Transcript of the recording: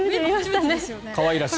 可愛らしい。